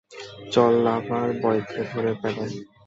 চল, লাভার বয়কে ধরে প্যাদাই!